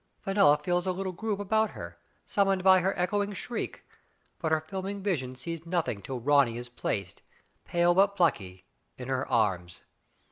Fenella feels a little group about her, summoned by her echoing shriek, but her filming vision sees nothing till Ronny is placed, pale but plucky, in her arms.